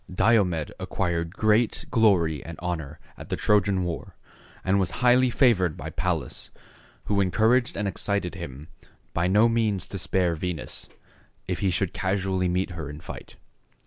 Diomed acquired great glory and honor at the Trojan war, and was highly favored by Pallas, who encouraged and excited him by no means to spare Venus, if he should casually meet her in fight.